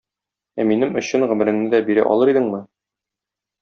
Ә минем өчен гомереңне дә бирә алыр идеңме?